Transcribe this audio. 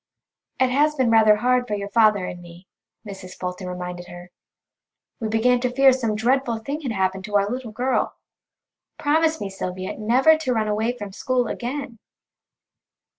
"It has been rather hard for your father and me," Mrs. Fulton reminded her; "we began to fear some dreadful thing had happened to our little girl. Promise me, Sylvia, never to run away from school again."